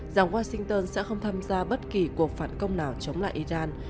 rằng washington sẽ không tham gia bất kỳ cuộc phản công nào chống lại iran